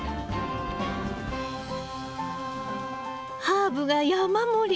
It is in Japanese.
ハーブが山盛り。